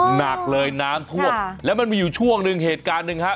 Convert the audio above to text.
หนักเลยน้ำท่วมแล้วมันมีอยู่ช่วงหนึ่งเหตุการณ์หนึ่งฮะ